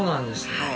はい